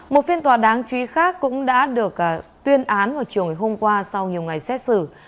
một phiên tòa đáng chú ý khác cũng đã được tuyên án vào chiều ngày hôm qua sau nhiều ngày xét xử